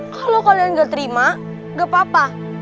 kalau kalian gak terima gak papa